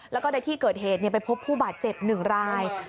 แล้วก็ในที่เกิดเหตุเนี่ยไปพบผู้บาดเจ็ดหนึ่งราย